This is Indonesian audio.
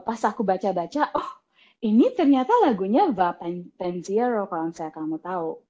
pas aku baca baca oh ini ternyata lagunya ba penziro kalau saya kamu tau